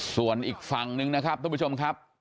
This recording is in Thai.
ส่วนอีกฝั่งนึงนะครับทุกผู้ชมครับ